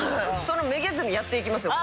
めげずにやっていきますよ。